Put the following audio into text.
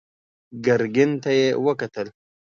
ګرګين ته يې وکتل.